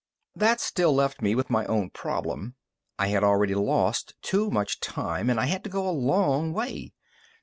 That still left me with my own problem. I had already lost too much time, and I had to go a long way.